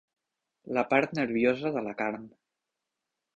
La part nerviosa de la carn.